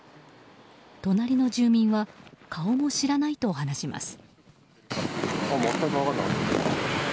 隣の住民は顔も知らないと話します。